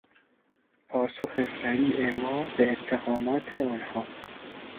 پاسخ سریع ما به اتهامات آنها